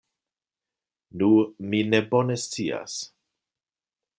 Nu, mi ne bone scias.